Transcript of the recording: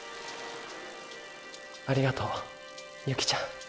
ありがとう雪成ちゃん。